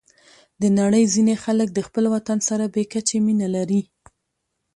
د نړۍ ځینې خلک د خپل وطن سره بې کچې مینه لري.